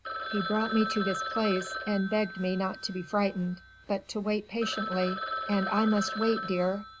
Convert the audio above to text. he brought me to this place and begged me not to be frightened ... but to wait patiently ... and I must wait, dear